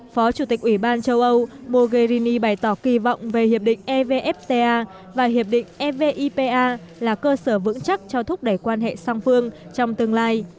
phó chủ tịch ủy ban châu âu mogherini bày tỏ kỳ vọng về hiệp định evfta và hiệp định evipa là cơ sở vững chắc cho thúc đẩy quan hệ song phương trong tương lai